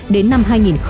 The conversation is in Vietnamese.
đến năm hai nghìn ba mươi